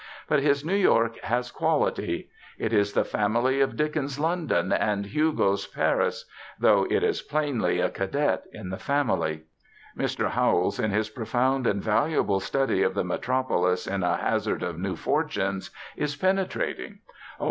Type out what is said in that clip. But his New York has quality. It is of the family of Dickens's London and Hugo's Paris, though it is plainly a cadet in the family. Mr. Howells, in his profound and valuable study of the metropolis in a "Hazard of New Fortunes," is penetrating; O.